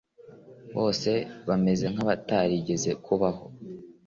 bose bameze nk abatarigeze kubaho